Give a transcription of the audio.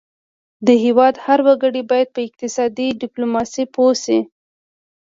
د هیواد هر وګړی باید په اقتصادي ډیپلوماسي پوه شي